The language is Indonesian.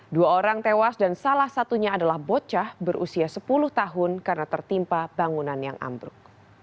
dua orang tewas dan salah satunya adalah bocah berusia sepuluh tahun karena tertimpa bangunan yang ambruk